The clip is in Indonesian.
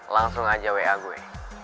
langsung aja wa gue